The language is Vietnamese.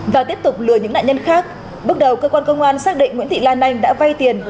và tiếp tục lừa những nạn nhân khác bước đầu cơ quan công an xác định nguyễn thị lan anh đã vay tiền